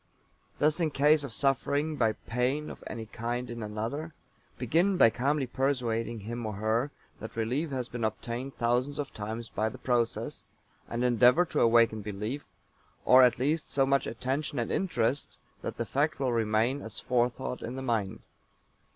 Thus in case of suffering by pain of any kind in another, begin by calmly persuading him or her that relief has been obtained thousands of times by the process, and endeavor to awaken belief, or, at least, so much attention and interest that the fact will remain as forethought in the mind.